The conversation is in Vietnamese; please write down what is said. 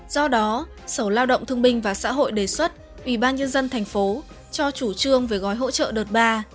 do đó sở lao động thương binh và xã hội đề xuất ủy ban dân tp hcm cho chủ trương về gói hỗ trợ đợt ba